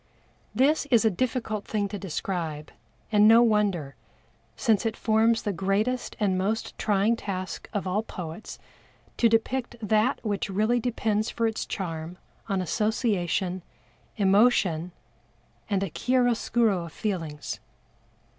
This is a difficult thing to describe, and no wonder, since it forms the greatest and most trying task of all poets to depict that which really depends for its charm on association, emotion and a chiaroscuro of the feelings.